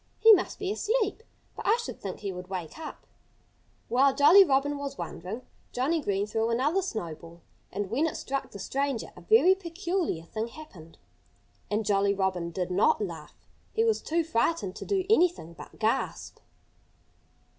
"He must be asleep. But I should think he would wake up." While Jolly was wondering, Johnnie Green threw another snowball. And when it struck the stranger a very peculiar thing happened. And Jolly Robin did not laugh. He was too frightened to do anything but gasp.